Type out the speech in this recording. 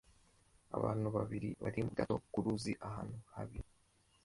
Abantu babiri bari mu bwato ku ruzi ahantu habi